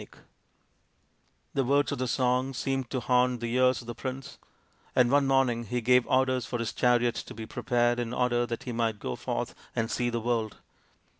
THE PRINCE WONDERFUL 173 The words of the song seemed to haunt the ears of the prince, and one morning he gave orders for his chariot to be prepared in order that he might go forth and see the world.